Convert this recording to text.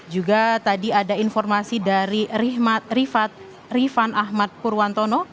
juga tadi ada informasi dari rifan ahmad purwantono